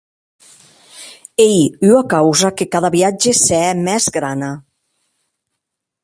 Ei ua causa que cada viatge se hè mès grana.